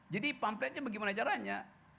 jadi pampletnya bagaimana caranya